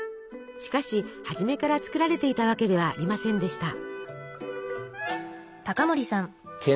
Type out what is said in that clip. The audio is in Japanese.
しかし初めから作られていたわけではありませんでした。